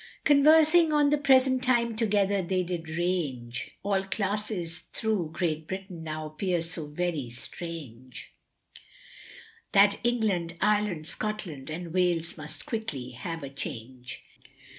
CHORUS. Conversing on the present time together they did range, All classes thro' Great Britain now appear so very strange, That England, Ireland, Scotland, and Wales must quickly have a change.